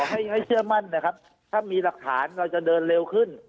ให้เชื่อมั่นนะครับถ้ามีหลักฐานเราจะเดินเร็วขึ้น